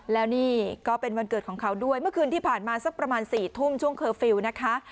แล้วนี่ก็เป็นวันเกิดของเขาด้วยเมื่อคืนที่ผ่านมาสักประมาณ๔ทุ่มช่วงเคอร์ฟิลล์นะคะ